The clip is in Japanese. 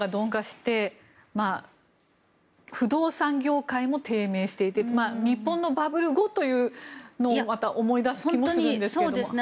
経済成長が鈍化して不動産業界も低迷していて日本のバブル後というのをまた思い出す気もするんですが。